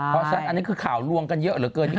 เพราะฉะนั้นอันนี้คือข่าวลวงกันเยอะเหลือเกิน